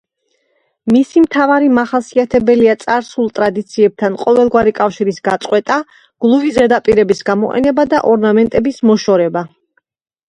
მისი მთავარი მახასიათებელია წარსულ ტრადიციებთან ყოველგვარი კავშირის გაწყვეტა, გლუვი ზედაპირების გამოყენება და ორნამენტების მოშორება.